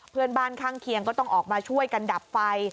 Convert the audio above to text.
เพื่อนบ้านข้างเคียงก็ต้องออกมาช่วยกันดับไฟ